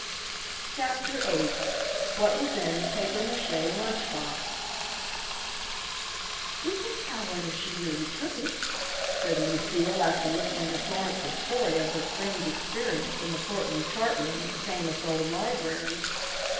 CHAPTER VIII WHAT WAS IN THE PAPIER MACHE LUNCH BOX "We can tell whether she really took it," said Lucile after listening to Florence's story of her strange experiences in the Portland chart room of the famous old library.